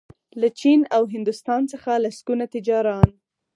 له چین او هندوستان څخه لسګونه تجاران